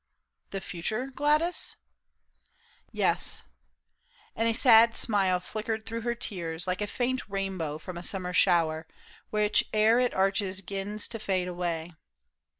" The future, Gladys ?"" Yes," and a sad smile flickered through her tears Like a faint rainbow from a summer shower, Which ere it arches 'gins to fade away.